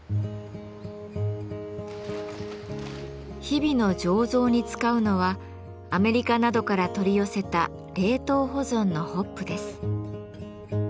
日々の醸造に使うのはアメリカなどから取り寄せた冷凍保存のホップです。